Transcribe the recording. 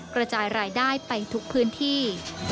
กระจายรายได้ไปทุกพื้นที่